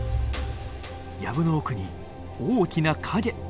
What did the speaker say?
やぶの奥に大きな影。